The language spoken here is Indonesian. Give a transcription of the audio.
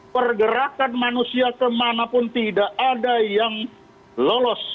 pergerakan manusia kemanapun tidak ada yang lolos